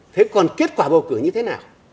thế còn kết quả bầu cử như thế nào